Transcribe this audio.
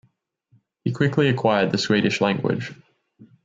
He quickly acquired the Swedish language.